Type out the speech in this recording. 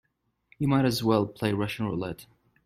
You might as well play Russian roulette.